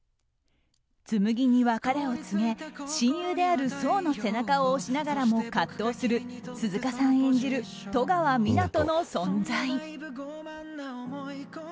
紬に別れを告げ親友である想の背中を押しながらも葛藤する鈴鹿さん演じる戸川湊斗の存在。